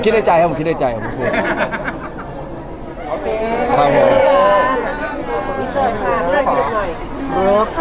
เกี่ยวมาจากด้านนี้อะไรนะครับ